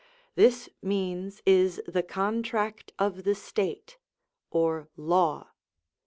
This means is the contract of the state or law.